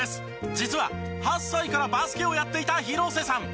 実は、８歳からバスケをやっていた広瀬さん。